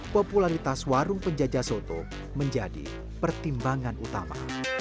popularitas warung penjajah soto menjadi pertimbangan utama